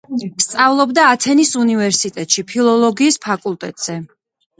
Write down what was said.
სწავლობდა ათენის უნივერსიტეტში, ფილოლოგიის ფაკულტეტზე.